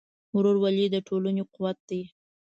ورورولي د ټولنې قوت دی.